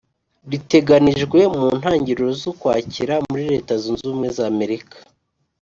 riteganijwe mu ntangiro z'ukwakira muri leta zunze ubumwe z'amerika